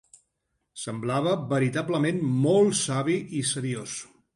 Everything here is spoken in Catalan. Semblava veritablement molt savi i seriós.